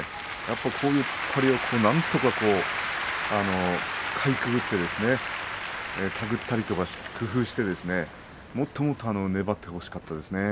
こういう突っ張りをなんとかかいくぐって手繰ったりとか工夫してもっともっと粘ってほしかったですね。